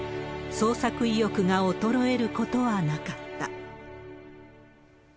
創作意欲が衰えることはなかった。